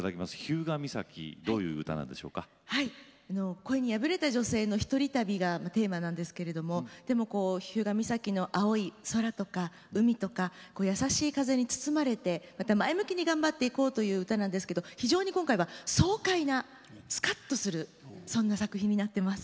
恋にやぶれた女性の一人旅がテーマなんですけれどもでも日向岬の青い空とか海とか優しい風に包まれてまた前向きに頑張っていこうという歌なんですけど非常に今回は爽快なスカッとするそんな作品になってます。